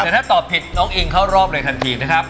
ถ้าตอบผิดท่านอิงเขารอบเลยทันที